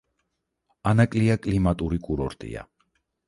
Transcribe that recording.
ანაკლია კლიმატური კურორტია.